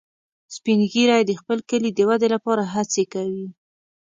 سپین ږیری د خپل کلي د ودې لپاره هڅې کوي